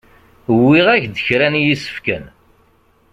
Wwiɣ-ak-d kra n yisefken.